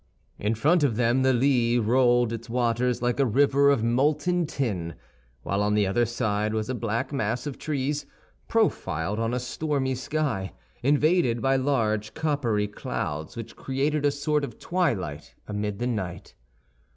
In front of them the Lys rolled its waters like a river of molten tin; while on the other side was a black mass of trees, profiled on a stormy sky, invaded by large coppery clouds which created a sort of twilight amid the night.